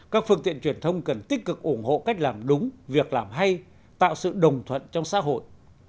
các phương tiện truyền thông cần tích cực ủng hộ cách làm đúng việc làm hay tạo sự đồng thuận trong xã hội